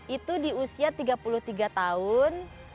itu di usia tiga puluh tiga tahun